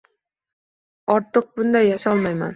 Ortiq bunday yasholmayman